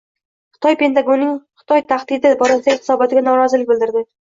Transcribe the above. Xitoy Pentagonning Xitoy tahdidi borasidagi hisobotiga norozilik bildirdi